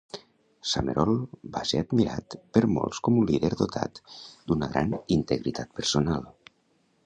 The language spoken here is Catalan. Summerall va ser admirat per molts com un líder dotat d'una gran integritat personal.